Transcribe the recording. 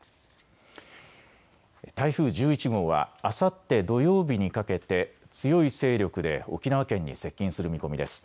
台風１１号はあさって土曜日にかけて強い勢力で沖縄県に接近する見込みです。